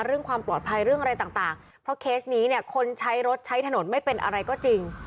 เรื่องความปลอดภัยเรื่องอะไรต่างเพราะเคสนี้เนี่ยคนใช้รถใช้ถนนไม่เป็นอะไรก็จริง